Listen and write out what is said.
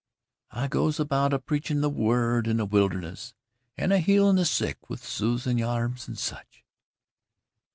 I goes about a preachin' the word in the wilderness an' a healin' the sick with soothin' yarbs and sech."